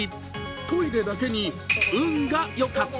トイレだけに「ウン」がよかった。